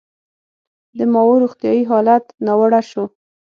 د ماوو روغتیايي حالت ناوړه شو.